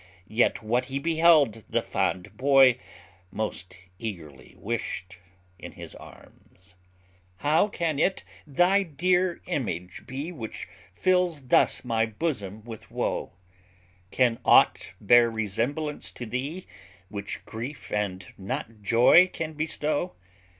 Yet what he beheld the fond boy More eagerly wish'd in his arms. How can it thy dear image be Which fills thus my bosom with woe? Can aught bear resemblance to thee Which grief and not joy can bestow?